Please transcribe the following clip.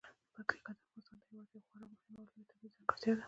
پکتیکا د افغانستان هیواد یوه خورا مهمه او لویه طبیعي ځانګړتیا ده.